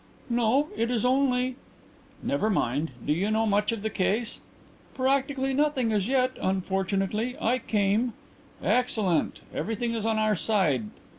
"No, it is only " "Never mind. Do you know much of the case?" "Practically nothing as yet, unfortunately. I came " "Excellent. Everything is on our side.